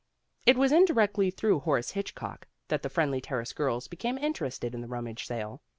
It was indirectly through Horace Hitchcock that the Friendly Terrace girls became interested in the Rummage Sale.